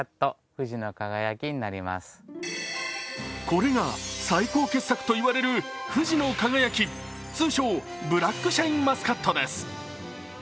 これが最高傑作と言われる富士の輝、通称・ブラックシャインマスカットです。